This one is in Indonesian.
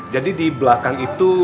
jadi di belakang itu